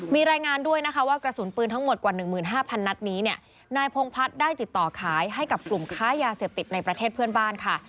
มีรายงานด้วยนะคะว่ากระสุนปืนทั้งหมดกว่า๑๕๐๐นัดนี้เนี่ยนายพงพัฒน์ได้ติดต่อขายให้กับกลุ่มค้ายาเสพติดในประเทศเพื่อนบ้านค่ะ